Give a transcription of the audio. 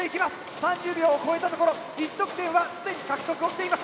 ３０秒を越えたところ１得点は既に獲得をしています。